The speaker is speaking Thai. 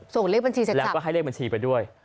เลขบัญชีเสร็จแล้วแล้วก็ให้เลขบัญชีไปด้วย